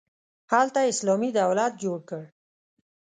هلته یې اسلامي دولت جوړ کړ.